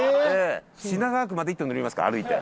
品川区まで行って乗りますから歩いて。